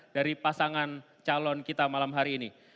dari pasangan calon kita malam hari ini